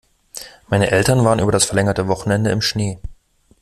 Meine Eltern waren über das verlängerte Wochenende im Schnee.